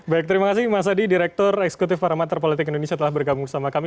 baik terima kasih mas adi direktur eksekutif parameter politik indonesia telah bergabung bersama kami